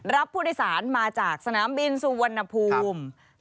รับผู้โดยสารมาจากสนามบินสุวรรณภูมิ